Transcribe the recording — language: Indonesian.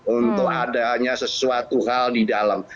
untuk adanya sesuatu hal di dalam